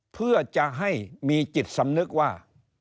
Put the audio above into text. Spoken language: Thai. เพื่อจะให้มีจิตสำนึกว่า